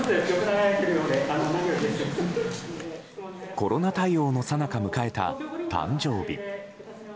コロナ対応のさなか迎えた誕生日。